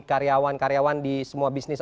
karyawan karyawan di semua bisnis